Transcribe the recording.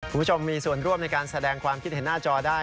คุณผู้ชมมีส่วนร่วมในการแสดงความคิดเห็นหน้าจอได้